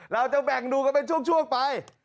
เราจะแบ่งดูกันเป็นช่วงไป